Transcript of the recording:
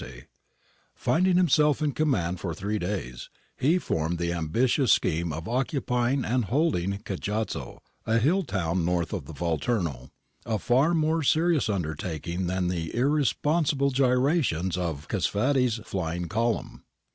i Finding himself in command for three days, he formed the ambitious scheme of occupying and holding Cajazzo, a hill town north of the Volturno — a far more serious undertaking than the irresponsible gyrations of Csufady's flying column.